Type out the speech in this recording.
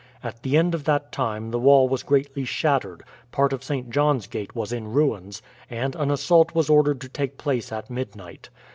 At the end of that time the wall was greatly shattered, part of St. John's gate was in ruins, and an assault was ordered to take place at midnight.